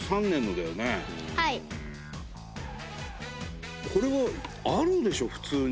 伊達：これはあるでしょ普通に。